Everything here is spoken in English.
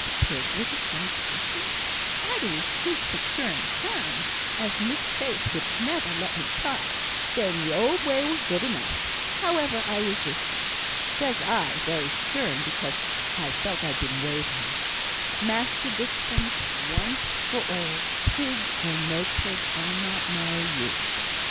the pig were a temptation. I'd a receipt for curing hams, as Miss Faith would never let me try, saying the old way were good enough. However, I resisted. Says I, very stern, because I felt I'd been wavering, 'Master Dixon, once for all, pig or no pig, I'll not marry you.